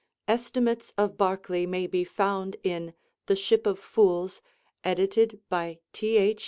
Estimates of Barclay may be found in 'The Ship of Fools,' edited by T. H.